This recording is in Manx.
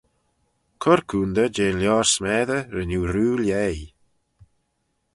Cur coontey jeh'n lioar smessey ren oo rieau lhaih.